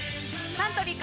サントリーから